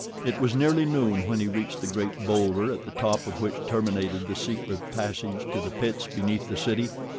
It was nearly noon when he reached the great bowlder at the top of which terminated the secret passage to the pits beneath the city.